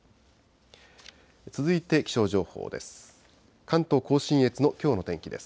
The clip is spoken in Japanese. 続いて気象情報です。